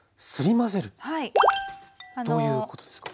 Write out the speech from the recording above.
どういうことですか？